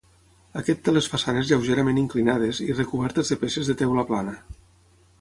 Aquest té les façanes lleugerament inclinades i recobertes de peces de teula plana.